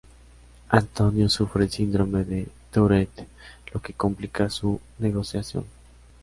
Antonio sufre el síndrome de Tourette, lo que complica su negociación.